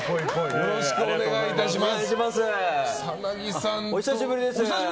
よろしくお願いします。